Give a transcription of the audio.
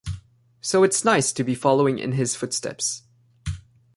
So it's nice to be following in his footsteps.